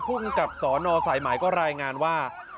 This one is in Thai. ผู้กับสรนสายหมายก็รายงานว่า